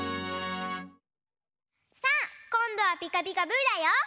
さあこんどは「ピカピカブ！」だよ。